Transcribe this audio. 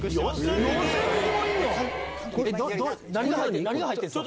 何が入ってんすか？